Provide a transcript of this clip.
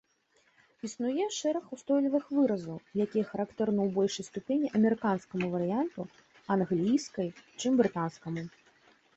Існуе шэраг устойлівых выразаў, якія характэрны ў большай ступені амерыканскаму варыянту англійскай, чым брытанскаму.